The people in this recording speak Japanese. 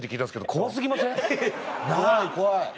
怖い怖い。